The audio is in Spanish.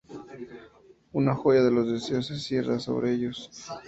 Una joya de los deseos se cierne sobre ellos.